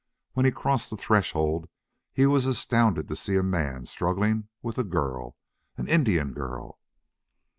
When he crossed the threshold he was astounded to see a man struggling with a girl an Indian girl.